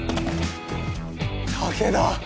武田！